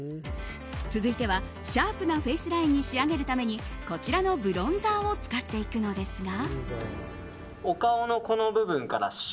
続いてはシャープなフェイスラインに仕上げるためにこちらのブロンザーを使っていくのですが。